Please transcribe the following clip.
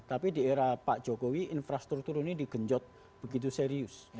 tapi di era pak jokowi infrastruktur ini digenjot begitu serius